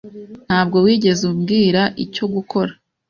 Ntabwo wigeze umbwira icyo gukora